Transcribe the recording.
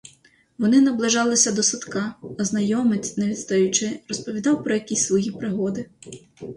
Вони наближалися до садка, а знайомець, не відстаючи, розповідав про якісь свої пригоди.